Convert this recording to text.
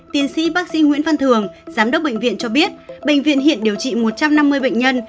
tiến sĩ bác sĩ nguyễn văn thường giám đốc bệnh viện cho biết bệnh viện hiện điều trị một trăm năm mươi bệnh nhân